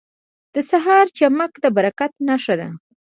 • د سهار چمک د برکت نښه ده.